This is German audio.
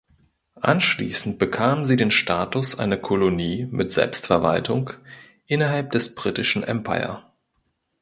Anschließend bekamen sie den Status einer Kolonie mit Selbstverwaltung innerhalb des Britischen Empire.